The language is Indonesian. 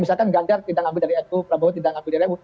misalkan ganjar tidak mengambil dari nu prabowo tidak ngambil dari nu